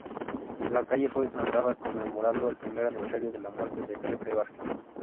La calle fue inaugurada conmemorando el primer aniversario de la muerte de Pepe Vázquez.